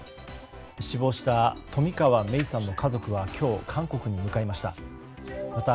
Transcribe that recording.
死亡した冨川芽生さんの家族は今日韓国に向かいました。